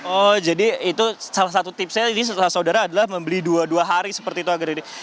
oh jadi itu salah satu tipsnya jadi saudara adalah membeli dua dua hari seperti itu agar ini